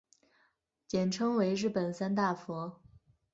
简称为日本三大佛。